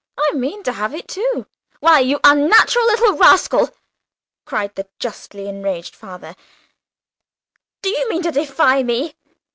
I mean to have it, too." "Why, you unnatural little rascal!" cried the justly enraged father, "do you mean to defy me?